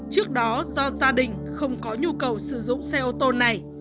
trước đó do gia đình không có nhu cầu sử dụng xe ô tô này